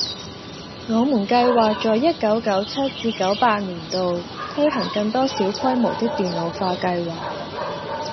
我們計劃在一九九七至九八年度推行更多小規模的電腦化計劃